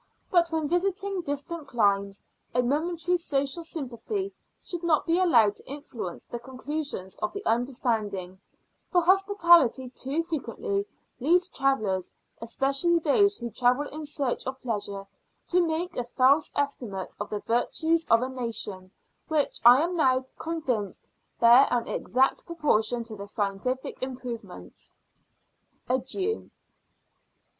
But, when visiting distant climes, a momentary social sympathy should not be allowed to influence the conclusions of the understanding, for hospitality too frequently leads travellers, especially those who travel in search of pleasure, to make a false estimate of the virtues of a nation, which, I am now convinced, bear an exact proportion to their scientific improvements. Adieu.